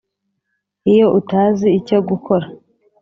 iyo utazi icyo gukora.